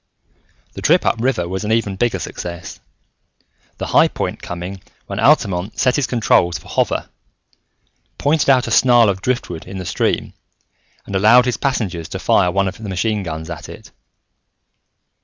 The trip up river was an even bigger success, the high point coming when Altamont set his controls for Hover, pointed out a snarl of driftwood in the stream, and allowed his passengers to fire one of the machine guns at it.